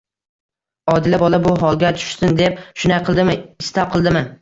Odila bola bu holga tushsin deb shunday qildimi? Istab, qildimi?